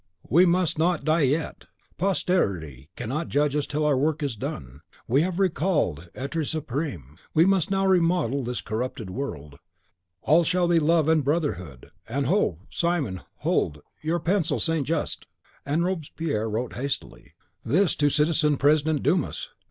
We must not die yet. Posterity cannot judge us till our work is done. We have recalled L'Etre Supreme; we must now remodel this corrupted world. All shall be love and brotherhood; and ho! Simon! Simon! hold! Your pencil, St. Just!" And Robespierre wrote hastily. "This to Citizen President Dumas.